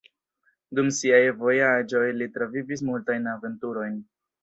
Dum siaj vojaĝoj ili travivis multajn aventurojn.